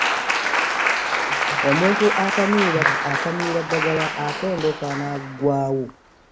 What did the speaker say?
omuntu atamira ddagala atondoka n'aggwaawo.